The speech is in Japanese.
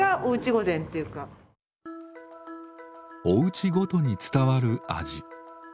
⁉おうちごとに伝わる味。